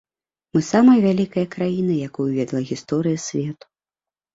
Мы самая вялікая краіна, якую ведала гісторыя свету.